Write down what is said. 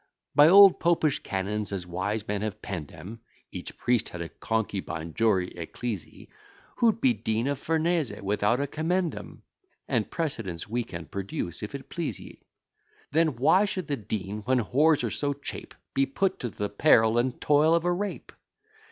By old Popish canons, as wise men have penn'd 'em, Each priest had a concubine jure ecclesiae; Who'd be Dean of Fernes without a commendam? And precedents we can produce, if it please ye: Then why should the dean, when whores are so cheap, Be put to the peril and toil of a rape?